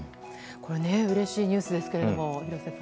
うれしいニュースですけども廣瀬さん。